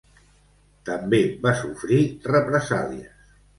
També va sofrir represàlies.